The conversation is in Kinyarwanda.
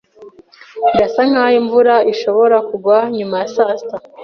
Birasa nkaho imvura ishobora kugwa nyuma ya saa sita.